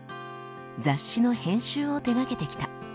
雑誌の編集を手がけてきた。